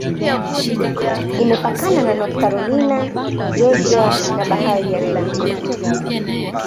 Imepakana na North Carolina, Georgia na Bahari ya Atlantiki.